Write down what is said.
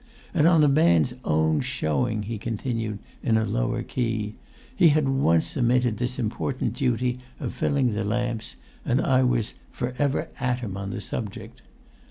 "And on the man's own showing," he continued in a lower key, "he had once omitted this important duty of filling the lamps, and I was 'for ever at him' on the subject.